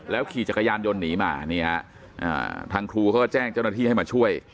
แล้วขี่จักรยานยนต์หนีมาทางครูก็แจ้งเจ้าหน้าที่ให้มาช่วย